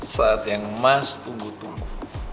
saat yang emas tunggu tunggu